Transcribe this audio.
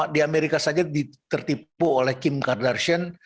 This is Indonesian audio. di amerika saja ditertipu oleh kim kardashion